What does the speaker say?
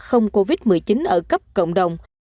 không covid một mươi chín ở cấp cộng đồng